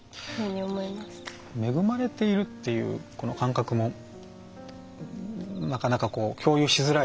恵まれているという感覚もなかなか共有しづらいですよね。